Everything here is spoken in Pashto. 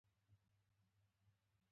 بیا یې د پاڼو حافظو ته سپاري